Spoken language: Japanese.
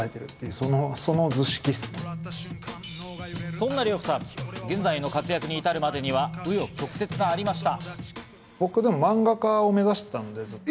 そんな呂布さん、現在の活躍に至るまでには紆余曲折がありました。